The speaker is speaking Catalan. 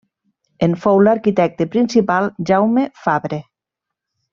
En fou l'arquitecte principal Jaume Fabre.